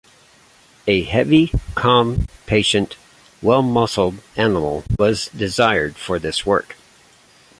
A heavy, calm, patient, well-muscled animal was desired for this work.